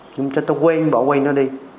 chúng ta quên bỏ quên nó đi